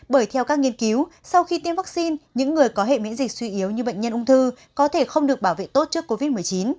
bởi theo các nghiên cứu sau khi tiêm vaccine những người có hệ miễn dịch suy yếu như bệnh nhân ung thư có thể không được bảo vệ tốt trước covid một mươi chín